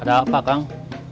ada apa kang